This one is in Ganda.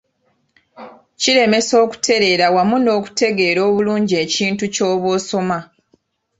Kiremesa okutereera wamu n'okutegeera obulungi ekintu ky'oba osoma.